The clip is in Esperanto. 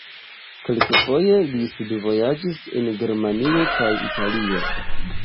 Kelkfoje li studvojaĝis en Germanio kaj Italio.